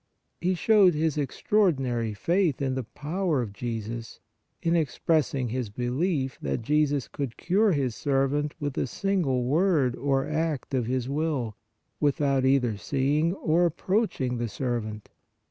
He showed his extraordinary faith in the power of Jesus, in expressing his belief that Jesus could cure his servant with a single word or act of His will, without either seeing or approaching the servant.